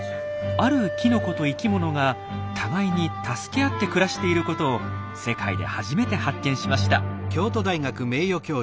あるきのこと生きものが互いに助け合って暮らしていることを世界で初めて発見しました。